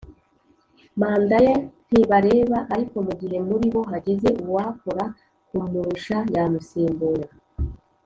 Mandaye ntibareba , Ariko mugihe muribo hagize uwakora kumurusha yamusimbura